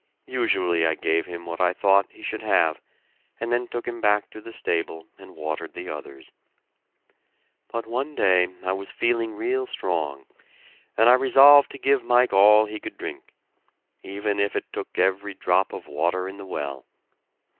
Usually I gave him what I thought he should have and then took him back to the stable and watered the others. But one day I was feeling real strong, and I resolved to give Mike all he could drink, even if it took every drop of water in the well.